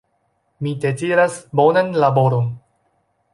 Mi deziras bonan laboron